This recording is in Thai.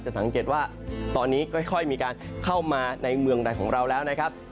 สังเกตว่าตอนนี้ค่อยมีการเข้ามาในเมืองใดของเราแล้วนะครับ